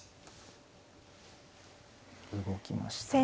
動きましたね。